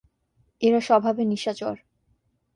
এরা স্বভাবে নিশাচর।